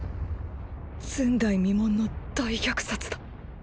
前代未聞の大虐殺だ。